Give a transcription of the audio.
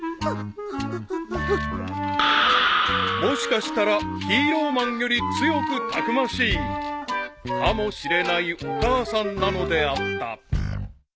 ［もしかしたらヒーローマンより強くたくましいかもしれないお母さんなのであった］